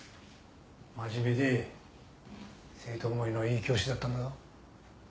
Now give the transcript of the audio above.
真面目で生徒思いのいい教師だったんだよ。